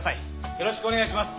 よろしくお願いします。